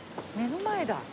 目の前だ。